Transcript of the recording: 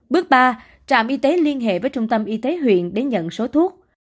bước ba trạm y tế liên hệ với trung tâm y tế huyện để nhận số thuốc